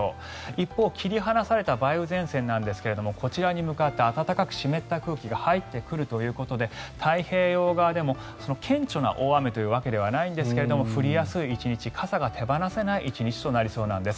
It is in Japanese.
一方、切り離された梅雨前線なんですがこちらに向かって暖かく湿った空気が入ってくるということで太平洋側でも顕著な大雨というわけではないんですが降りやすい１日傘が手放せない１日となりそうなんです。